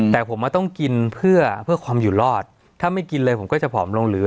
แต่ผมว่าต้องกินเพื่อเพื่อความอยู่รอดถ้าไม่กินเลยผมก็จะผอมลงหรือ